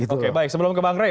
oke baik sebelum ke bang ray